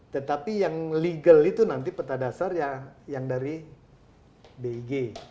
tetapi yang legal itu nanti peta dasar ya yang dari big